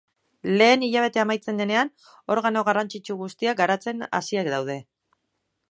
Lehen hilabetea amaitzen denean, organo garrantzitsu guztiak garatzen hasiak daude.